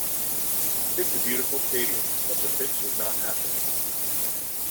It's a beautiful stadium but the pitch is not happening.